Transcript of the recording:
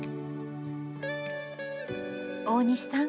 大西さん